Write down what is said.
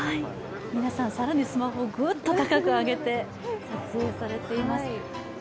皆さん、更にスマホをぐっと高く上げて撮影されています。